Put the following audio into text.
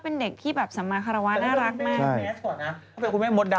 น่ารักด้วยแล้วเป็นเด็กที่สมาฆราวะ